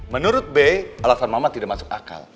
menurut b alasan mama tidak masuk akal